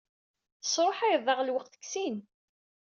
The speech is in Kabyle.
Tesruḥayeḍ-aɣ lweqt deg sin.